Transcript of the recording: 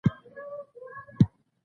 په رڼاګانو کې رانغښي لوګي